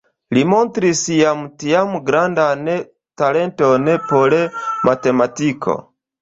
Li montris jam tiam grandan talenton por matematiko.